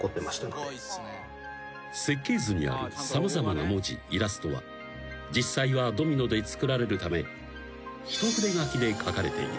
［設計図にある様々な文字イラストは実際はドミノで作られるため一筆書きで描かれている］